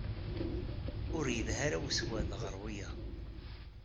Ur yelha ara usewɛed ɣer wiyaḍ.